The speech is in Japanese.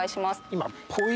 今。